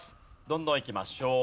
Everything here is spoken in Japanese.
どんどんいきましょう。